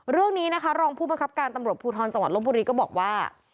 เรื่องนี้นะคะรองผู้บังคับการตำรวจภูทรจังหวัดลบบุรีก็บอกว่า